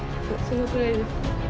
そのくらいです。